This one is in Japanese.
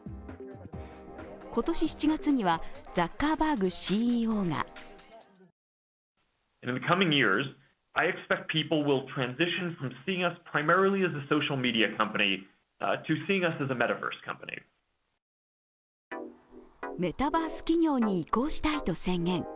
今年７月には、ザッカーバーグＣＥＯがメタバース企業に移行したいと宣言。